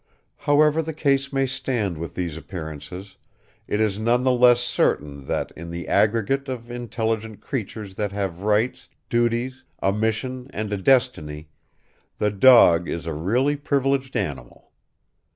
However the case may stand with these appearances, it is none the less certain that, in the aggregate of intelligent creatures that have rights, duties, a mission and a destiny, the dog is a really privileged animal.